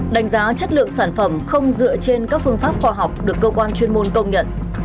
đánh giá chất lượng sản phẩm không dựa trên các phương pháp khoa học được cơ quan chuyên môn công nhận